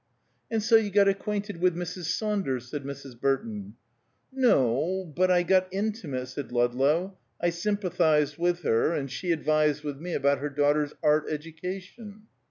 "And so you got acquainted with Mrs. Saunders?" said Mrs. Burton. "No. But I got intimate," said Ludlow. "I sympathized with her, and she advised with me about her daughter's art education."